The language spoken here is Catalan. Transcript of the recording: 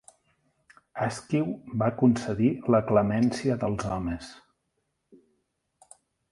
Askew va concedir la clemència dels homes.